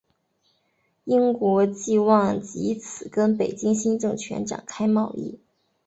英国冀望藉此跟北京新政权展开贸易。